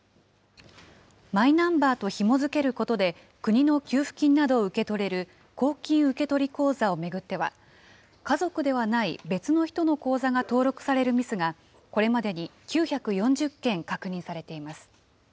マイナンバーとひも付けることで国の給付金などを受け取れる公金受取口座を巡っては、家族ではない別の人の口座が登録されるミスが、これまでに９４０件確認されています。